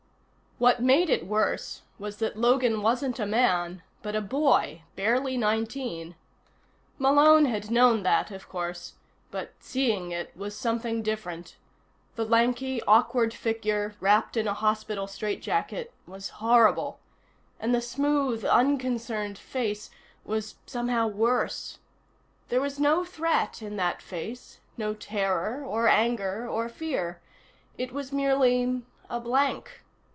What made it worse was that Logan wasn't a man, but a boy, barely nineteen. Malone had known that, of course but seeing it was something different. The lanky, awkward figure wrapped in a hospital strait jacket was horrible, and the smooth, unconcerned face was, somehow, worse. There was no threat in that face, no terror or anger or fear. It was merely a blank.